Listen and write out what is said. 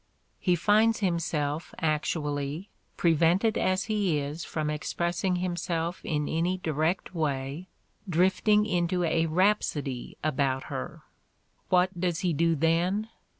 He finds himself actually, prevented as he is from expressing himself in any direct way, drifting into a rhapsody about her! What does he do then?